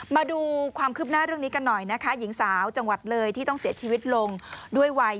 มาดูความคืบหน้าเรื่องนี้กันหน่อยนะคะหญิงสาวจังหวัดเลยที่ต้องเสียชีวิตลงด้วยวัย